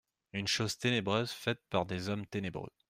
Une chose ténébreuse faite par des hommes ténébreux.